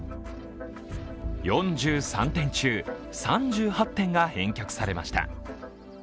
４３点中３８点が返却されました。